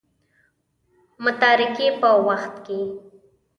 متارکې په وخت کې.